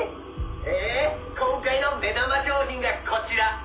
「今回の目玉商品がこちら！」